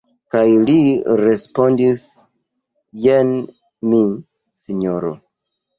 Kaj li respondis: Jen mi, Sinjoro.